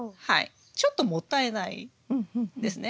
ちょっともったいないですね。